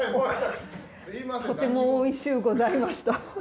とてもおいしゅうございました。